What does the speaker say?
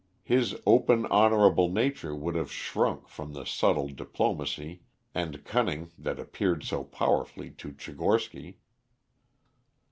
His open honorable nature would have shrunk from the subtle diplomacy and cunning that appealed so powerfully to Tchigorsky.